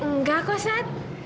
nggak kok sat